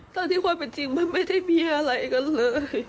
เท่าที่ความเป็นจริงมันไม่ได้มีอะไรกันเลย